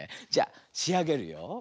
じゃあしあげるよ。